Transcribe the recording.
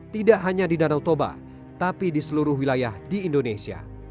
tidak hanya di danau toba tapi di seluruh wilayah di indonesia